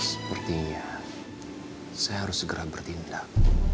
sepertinya saya harus segera bertindak